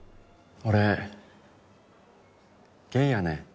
俺ゲイやねん。